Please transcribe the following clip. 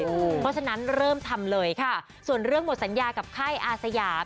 เพราะฉะนั้นเริ่มทำเลยค่ะส่วนเรื่องหมดสัญญากับค่ายอาสยาม